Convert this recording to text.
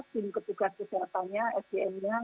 tim ketugas kesehatannya sgm nya